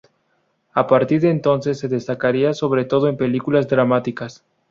A partir de entonces se destacaría sobre todo en películas dramáticas.